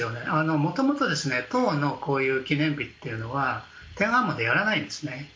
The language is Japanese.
元々、党のこういう記念日というのは天安門でやらないんですね。